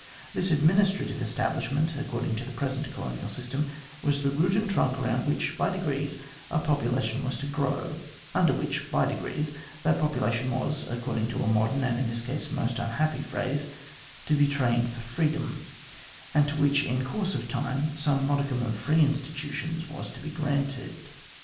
Thi& administrative establishment, according to the present colonial system, was the root and trunk around which, by degrees, a population was to grow, under which, by degrees, that population was, according to a modern and in this case most unhappy phrase, to be trained for freedom, and to which, in course of time, some modicum of free institutions was to be granted.